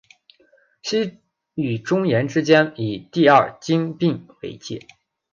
西与中延之间以第二京滨为界。